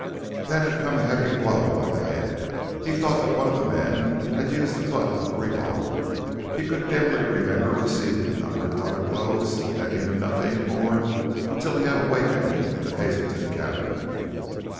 Then had come a heavy blow on the head he thought that one of the men had used the butt of a revolver. He could dimly remember receiving a number of other blows and then he knew nothing more until he had awakened in the Hazelton cabin.